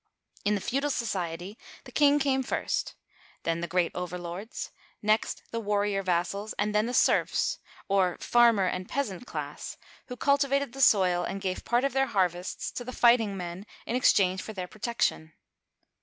In the feudal society the king came first, then the great overlords, next the warrior vassals, and then the serfs, or farmer and peasant class, who cultivated the soil and gave part of their harvests to the fighting men in ex change for their protection.